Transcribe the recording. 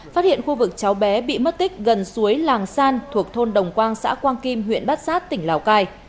phát hiện khu vực cháu bé bị mất tích gần suối làng san thuộc thôn đồng quang xã quang kim huyện bát sát tỉnh lào cai